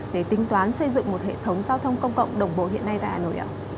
để tính toán xây dựng một hệ thống giao thông công cộng đồng bộ hiện nay tại hà nội ạ